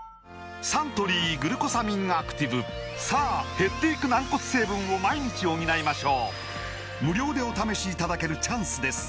サントリー「グルコサミンアクティブ」さあ減っていく軟骨成分を毎日補いましょう無料でお試しいただけるチャンスです